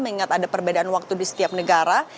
mengingat ada perbedaan waktu di setiap negara